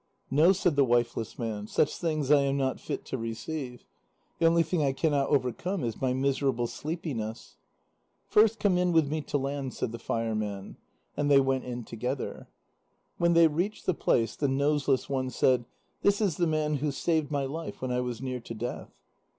"No," said the wifeless man; "such things I am not fit to receive; the only thing I cannot overcome is my miserable sleepiness." "First come in with me to land," said the Fire Man. And they went in together. When they reached the place, the Noseless One said: "This is the man who saved my life when I was near to death."